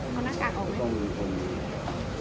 มันกลัวไหมครับ